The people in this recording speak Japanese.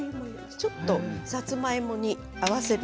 ちょっとさつまいもに合わせる。